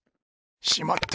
しまった！